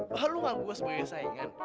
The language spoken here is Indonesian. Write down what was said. wah lu ngaku gue sebagai saingan